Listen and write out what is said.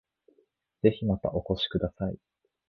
ぜひまたお越しください